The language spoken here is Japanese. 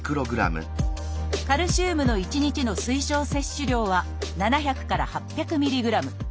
カルシウムの１日の推奨摂取量は７００から８００ミリグラム。